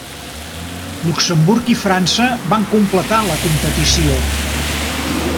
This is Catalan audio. Luxemburg i França van completar la competició.